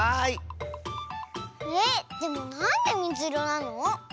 えっでもなんでみずいろなの？